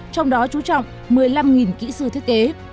trong đó chú trọng một mươi năm kỹ sư thiết kế